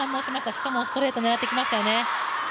しかもストレート狙ってきましたよね。